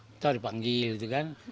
kita dipanggil gitu kan